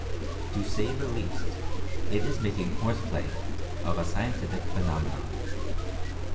To say the least, it is making "horse play" of a scientific phenomenon.